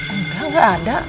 enggak gak ada